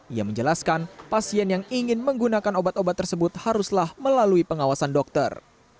ia menjelaskan pasien yang ingin menggunakan obat obat tersebut haruslah melalui pengawasan dokter